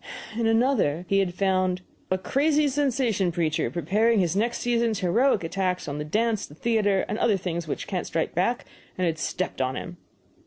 In another, he had "found a crazy sensation preacher preparing his next season's heroic attacks on the dance, the theater, and other things which can't strike back, and had stepped on him."